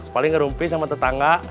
paling ngerumpi sama tetangga